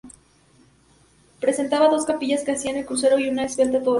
Presentaba dos capillas que hacían el crucero y una esbelta torre.